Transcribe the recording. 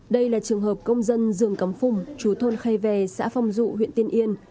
đây là trường hợp công dân dương cắm phùng chú thôn khay vè xã phong dụ huyện tiên yên